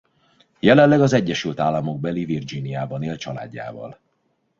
Jelenleg az egyesült államokbeli Virginiában él a családjával.